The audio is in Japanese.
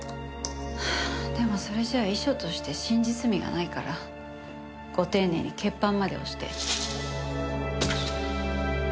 でもそれじゃあ遺書として真実味がないからご丁寧に血判まで押して。